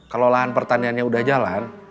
kalau lahan pertaniannya udah jalan